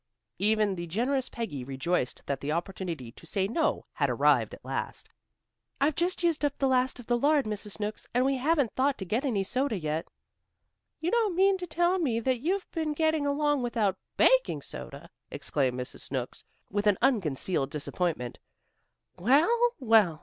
Even the generous Peggy rejoiced that the opportunity to say no had arrived at last. "I've just used up the last of the lard, Mrs. Snooks, and we haven't thought to get any soda yet." "You don't mean to tell me that you've been getting along without baking soda," exclaimed Mrs. Snooks with unconcealed disappointment. "Well, well!